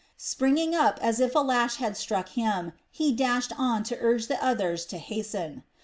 Springing up as if a lash had struck him, he dashed on to urge the others to hasten.